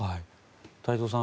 太蔵さん